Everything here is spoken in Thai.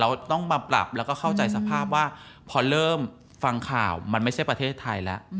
เราต้องมาปรับแล้วก็เข้าใจสภาพว่าพอเริ่มฟังข่าวมันไม่ใช่ประเทศไทยแล้ว